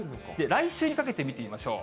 来週にかけて見てみましょう。